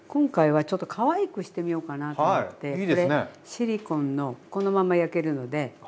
シリコンのこのまま焼けるので。